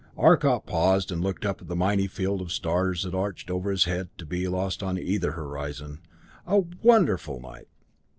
Arcot paused and looked up at the mighty field of stars that arched over his head to be lost on either horizon. A wonderful night!